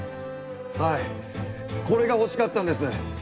はいこれが欲しかったんです！